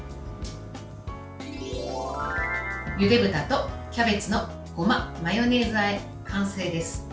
ゆで豚とキャベツのごまマヨネーズあえ、完成です。